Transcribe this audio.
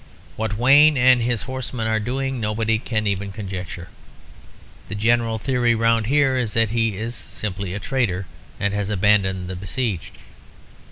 What Wayne and his horsemen are doing nobody can even conjecture. The general theory round here is that he is simply a traitor, and has abandoned the besieged.